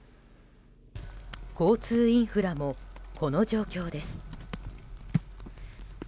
交通インフラもこの状況です。